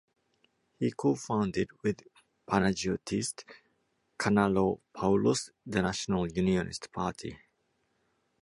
He co-founded with Panagiotis Kanellopoulos the National Unionist Party.